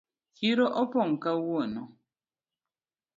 Chiro opong kawuono.